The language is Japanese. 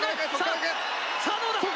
さあどうだ？